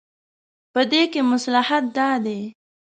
په دې کې مصلحت دا دی.